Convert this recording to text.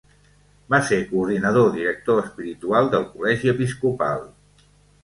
Va ser coordinador director espiritual del Col·legi Episcopal.